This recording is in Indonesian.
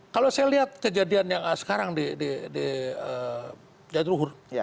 kalau saya lihat kejadian yang sekarang di jadul hur